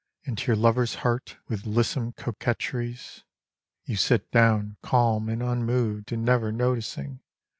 Into your lover's heart with lissom coquetries. You sit down, calm and unmoved and never noticing.